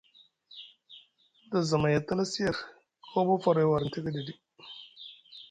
Sda zamay a tala siyer, koo ɓa faray warni tekeɗe ɗi.